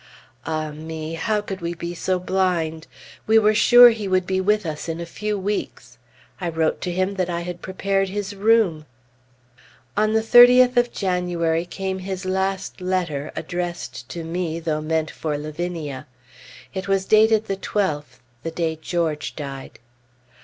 Ah me! How could we be so blind? We were sure he would be with us in a few weeks! I wrote to him that I had prepared his room. On the 30th of January came his last letter, addressed to me, though meant for Lavinia. It was dated the 12th the day George died.